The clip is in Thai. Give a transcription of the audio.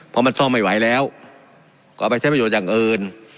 เพราะมันซ่อมไม่ไหวแล้วก็เอาไปใช้ประโยชน์อย่างอื่น